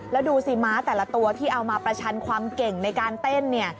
แล้วดูสิม้าแต่ละตัวที่เอามาประชันความเก่งในการเต้นเนี่ย